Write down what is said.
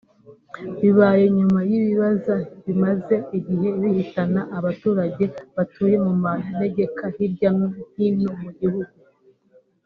Bibaye nyuma y’ Ibiza bimaze igihe bihitana abaturage batuye mu manegeka hirya no hino mu gihugu